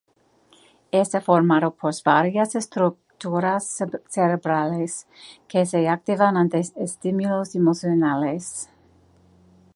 Está formado por varias estructuras cerebrales que se activan ante estímulos emocionales.